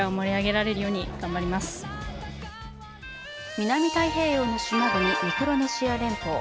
南太平洋の島国、ミクロネシア連邦。